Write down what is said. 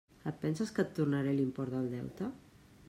Et penses que et tornaré l'import del deute?